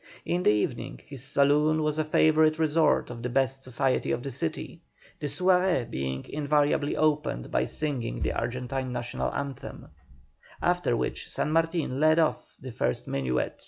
In the evening his saloon was a favourite resort of the best society of the city, the soirée being invariably opened by singing the Argentine National Hymn, after which San Martin led off the first minuet.